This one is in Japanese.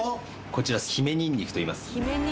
こちら姫ニンニクといいます